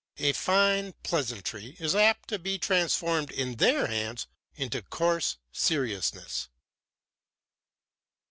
A fine pleasantry is apt to be transformed in their hands into coarse seriousness."